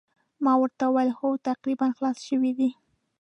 ما ورته وویل هو تقریباً خلاص شوي دي.